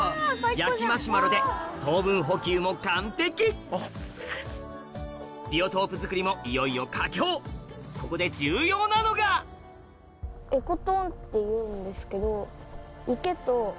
で糖分補給も完璧ビオトープ作りもいよいよ佳境ここで重要なのがっていうんですけど。